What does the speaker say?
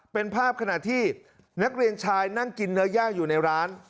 เป็นภาพขณะที่นักเรียนชายนั่งกินเนื้อย่างอยู่ในร้าน